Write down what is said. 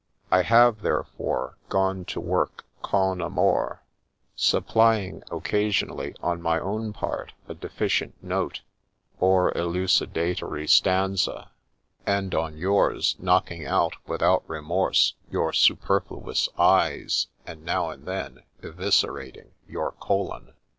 I have, therefore, gone to work con amore, supplying occasionally on my own part a deficient note, or elucidatory stanza, and on yours knocking out, without remorse, your super fluous t s, and now and then eviscerating your colon.